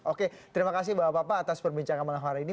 oke terima kasih bapak bapak atas perbincangan malam hari ini